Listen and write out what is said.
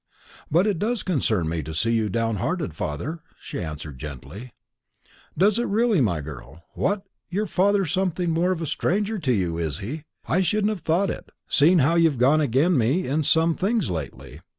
"But it does concern me to see you downhearted, father," she answered gently. "Does it really, my girl? What! your father's something more than a stranger to you, is he? I shouldn't have thought it, seeing how you've gone again me in some things lately.